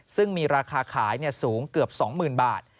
ซึ่งมีราคาขายสูงเกือบ๒๐๐๐บาท